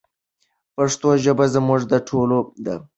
پښتو ژبه زموږ د ټولو ده.